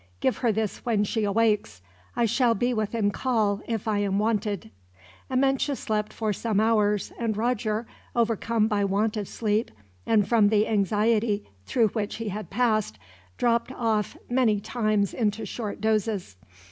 Give her this when she awakes. I shall be within call, if I am wanted." Amenche slept for some hours, and Roger, overcome by want of sleep, and from the anxiety through which he had passed, dropped off many times into short dozes.